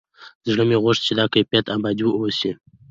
زړه مې غوښت چې دا کيف ابدي واوسي.